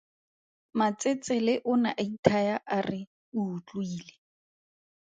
Matsetsele o ne a ithaya a re o utlwile.